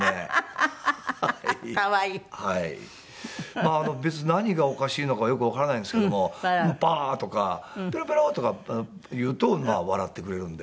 まあ別に何がおかしいのかはよくわからないんですけども「バア！」とか「ペロペロ」とか言うと笑ってくれるんで。